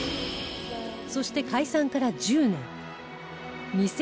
そして解散から１０年